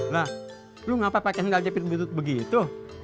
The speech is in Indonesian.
lah lo ngapa pakai hendal jepit bentut begitu